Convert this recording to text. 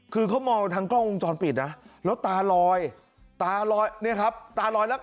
คือเขามองทางกล้องวงจรปิดนะแล้วตาลอยตาลอยเนี่ยครับตาลอยแล้ว